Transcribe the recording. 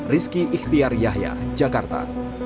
rizky ikhtiar yahya jakarta